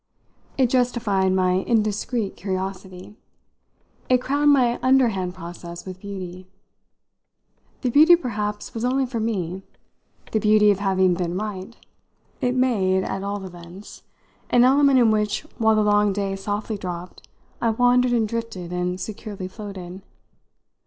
It justified my indiscreet curiosity; it crowned my underhand process with beauty. The beauty perhaps was only for me the beauty of having been right; it made at all events an element in which, while the long day softly dropped, I wandered and drifted and securely floated.